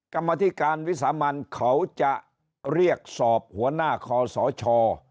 กรรมธิการวิสามันเขาจะเรียกสอบหัวหน้าคอสช